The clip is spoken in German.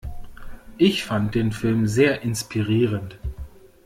Ich fand den Film sehr inspirierend.